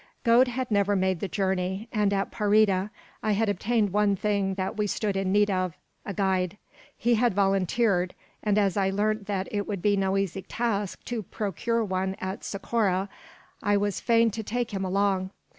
Gode had never made the journey, and at Parida I had obtained one thing that we stood in need of, a guide. He had volunteered; and as I learnt that it would be no easy task to procure one at Socorro, I was fain to take him along.